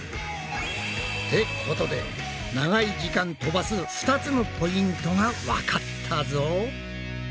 ってことで長い時間飛ばす２つのポイントがわかったぞ！